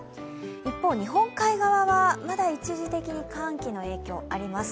一方、日本海側はまだ一時的に寒気の影響があります。